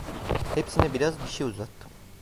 Hepsine biraz bir şey uzattım.